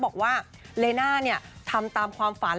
บอกว่าเลน่าทำตามความฝัน